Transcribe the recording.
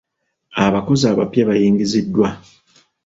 Abakozi abapya bayingiziddwa.